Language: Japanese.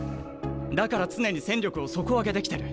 だから常に戦力を底上げできてる。